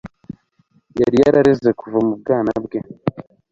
yari yarareze kuva mu bwana bwe